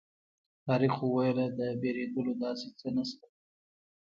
طارق وویل د وېرېدلو داسې څه نه شته.